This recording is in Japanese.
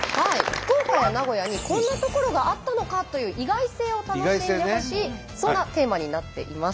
福岡や名古屋にこんなところがあったのかという意外性を楽しんでほしいそんなテーマになっています。